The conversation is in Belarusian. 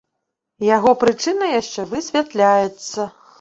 Яго прычына яшчэ высвятляецца.